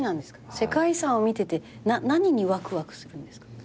世界遺産を見てて何にワクワクするんですか？